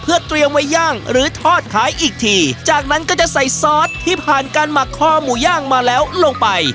เพื่อเตรียมไว้ย่างหรือทอดขายอีกทีจากนั้นก็จะใส่ซอสที่ผ่านการหมักคอหมูย่างมาแล้วลงไป